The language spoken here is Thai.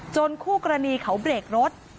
คู่กรณีเขาเบรกรถ